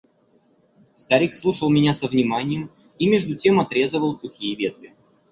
Старик слушал меня со вниманием и между тем отрезывал сухие ветви.